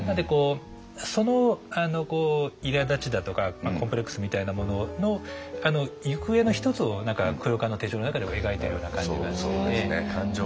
そのいらだちだとかコンプレックスみたいなものの行方の一つを「黒革の手帖」の中でも描いているような感じがしてて。